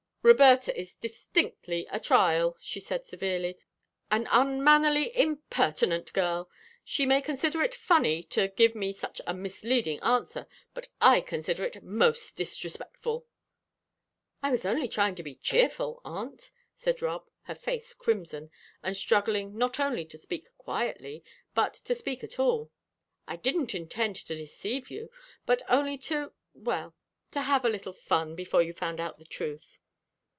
"Roberta is distinctly a trial," she said, severely. "An unmannerly, impertinent girl. She may consider it funny to give me such a misleading answer, but I consider it most disrespectful." "I was only trying to be cheerful, aunt," said Rob, her face crimson, and struggling not only to speak quietly, but to speak at all. "I didn't intend to deceive you, but only to well, to have a little fun before you found out the truth."